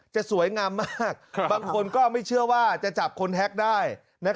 จะสวยงามมากบางคนก็ไม่เชื่อว่าจะจับคนแฮ็กได้